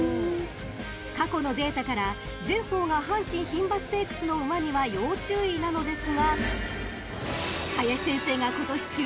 ［過去のデータから前走が阪神牝馬ステークスの馬には要注意なのですが林先生が今年注目した馬は］